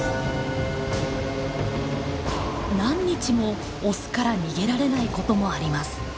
何日もオスから逃げられないこともあります。